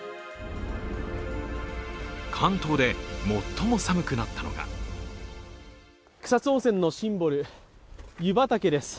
関東で最も寒くなったのが草津温泉のシンボル・湯畑です。